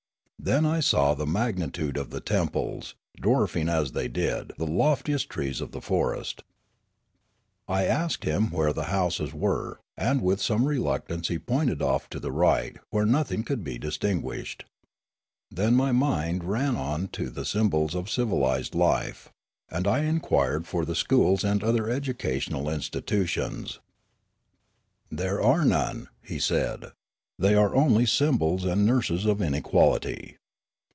Then I saw the magnitude of the temples, dwarfing as tiiey did the loftiest trees of the forest. I asked him where the houses were, and with some reluctance he pointed off to the right, where nothing could be distinguished. Then my mind ran on to the symbols of civilised life, and I inquired for the schools and other educational institutions. 9 130 Riallaro " There are none," he said. " They are only sym bols and nurses of inequality.